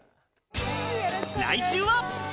来週は。